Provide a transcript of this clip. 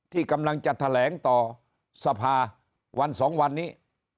ที่กำลังจะแถลงต่อสภาวันสองวันนี้